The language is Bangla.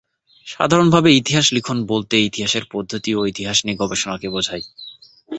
সাধারণভাবে ইতিহাস-লিখন বলতে ইতিহাসের পদ্ধতি ও ইতিহাস নিয়ে গবেষণাকে বোঝায়।